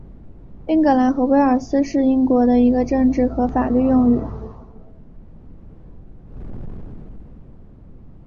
英格兰和威尔斯是英国的一个政治和法律用语。